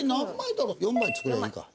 ４枚作りゃいいか。